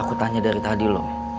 aku tanya dari tadi loh